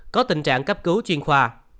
có tình trạng cấp cứu chuyên khoa